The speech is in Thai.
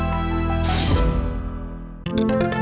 ครับ